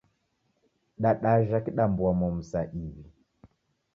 Dadajha kidambua-momu saa iw'i.